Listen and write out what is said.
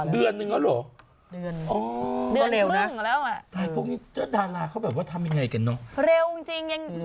ลูกแค่นี้พ่อมมาถ่ายออกไปเที่ยวว่ะนะ